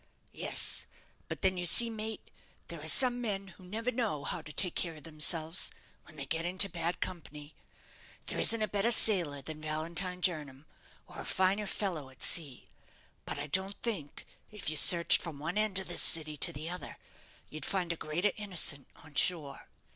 "Yes; but then you see, mate, there are some men who never know how to take care of themselves when they get into bad company. There isn't a better sailor than Valentine Jernam, or a finer fellow at sea; but I don't think, if you searched from one end of this city to the other, you'd find a greater innocent on shore.